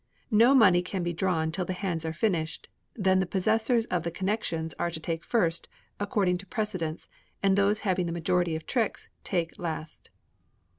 No money can be drawn till the hands are finished; then the possessors of the connexions are to take first, according to precedence, and those having the majority of tricks take last.